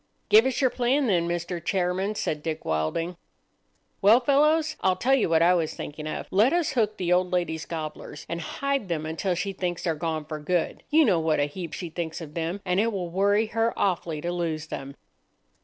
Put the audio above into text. "Give us your plan, then, Mr. Chairman," said Dick Wilding. "Well, fellows, I'll tell you what I was thinking of. Let us hook the old lady's gobblers, and hide them until she thinks they're gone for good. You know what a heap she thinks of them, and it will worry her awfully to lose them."